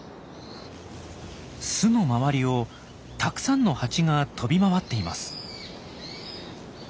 巣の周りをたくさんのハチが飛び回っています。